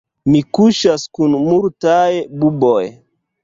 Mi kuŝas kun multaj buboj.